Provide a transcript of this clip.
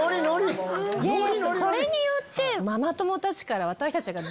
それによって。